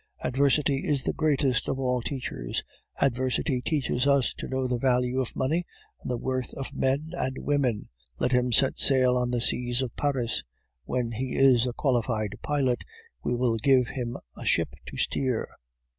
Adversity is the greatest of all teachers; adversity teaches us to know the value of money and the worth of men and women. Let him set sail on the seas of Paris; when he is a qualified pilot, we will give him a ship to steer.